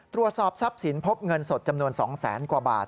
ตรวจสอบทรัพย์สินพบเงินสดจำนวน๒แสนกว่าบาท